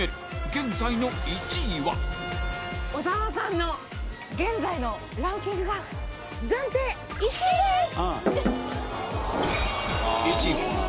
現在の１位はおざわさんの現在のランキングが暫定１位です！